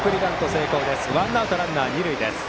成功でワンアウトランナー、二塁です。